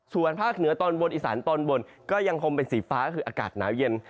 ส่วนภาคเหนือตอนบนอีสานตอนบนก็ยังคงเป็นสีฟ้าก็คืออากาศหนาวเย็น